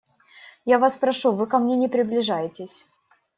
Я вас прошу, вы ко мне не приближайтесь.